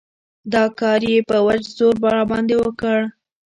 دا کار يې په وچ زور راباندې وکړ.